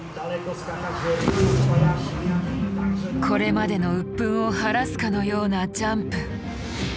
これまでの鬱憤を晴らすかのようなジャンプ。